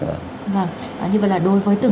như vậy là đối với từng